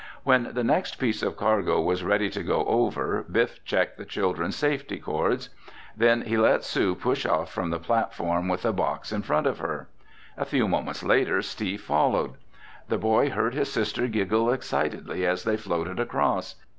When the next piece of cargo was ready to go over, Biff checked the children's safety cords. Then he let Sue push off from the platform with a box in front of her. A few moments later, Steve followed. The boy heard his sister giggle excitedly as they floated across.